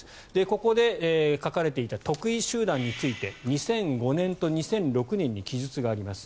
ここで書かれていた特異集団について２００５年と２００６年に記述があります。